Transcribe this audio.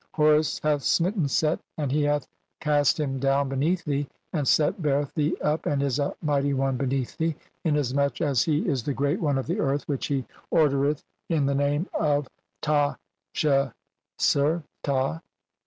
Horus hath smitten Set and "he hath cast him down beneath thee, and Set beareth "thee up and is a mighty one beneath thee, inasmuch "as he is the great one of the earth which he ordereth THE ELYS IAN FIELDS OR HEAVEN. CXXV "in thy name of Ta tcheser ta.